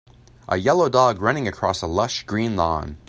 A yellow dog running across a lush green lawn.